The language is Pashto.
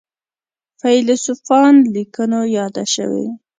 فیلسوفانو لیکنو یاده شوې.